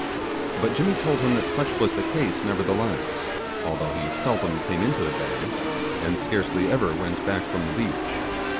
But Jimmy told him that such was the case nevertheless, although he seldom came into the bay, and scarcely ever went back from the beach.